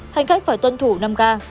hành khách phải tuân thủ năm k